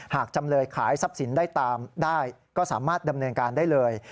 จำเลยขายทรัพย์สินได้ตามได้ก็สามารถดำเนินการได้เลย